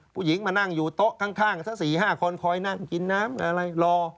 ผู้หญิงมานั่งอยู่โต๊ะข้างสัก๔๕คนคอยนั่งกินน้ำอะไรรอ